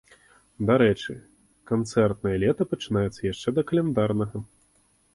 Дарэчы, канцэртнае лета пачынаецца яшчэ да каляндарнага.